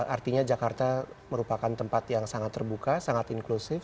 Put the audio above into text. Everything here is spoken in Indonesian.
artinya jakarta merupakan tempat yang sangat terbuka sangat inklusif